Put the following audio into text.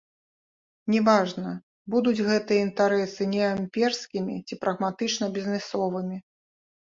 Не важна, будуць гэтыя інтарэсы неаімперскімі ці прагматычна-бізнесовымі.